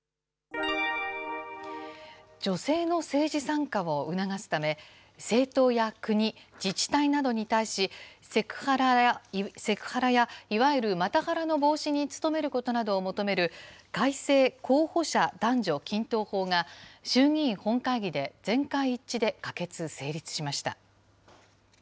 女性の政治参加を促すため、政党や国、自治体などに対し、セクハラや、いわゆるマタハラの防止に努めることなどを求める改正候補者男女均等法が、衆議院本会議で全会一致で可決・成立しました。